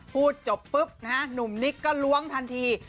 พูดจบปุ๊บนะฮะหนุ่มนิกก็ล้วงทันที